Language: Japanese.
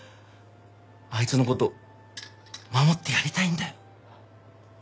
あいつの事守ってやりたいんだよ。